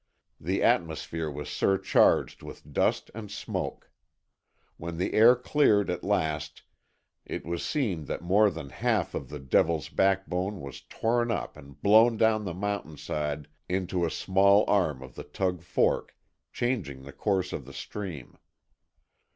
The atmosphere was surcharged with dust and smoke. When the air cleared at last, it was seen that more than half of the "Devil's Backbone" was torn up and blown down the mountain side into a small arm of the Tug Fork, changing the course of the stream.